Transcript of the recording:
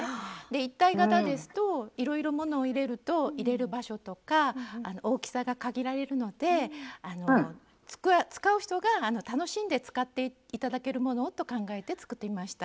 一体型ですといろいろものを入れると入れる場所とか大きさが限られるので使う人が楽しんで使って頂けるものをと考えて作ってみました。